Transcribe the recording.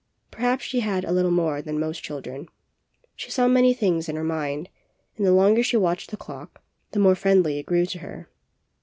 Perhaps she had a little more than most children. She saw many things in her mind; and the longer she watched the clock, the more friendly it grew to her.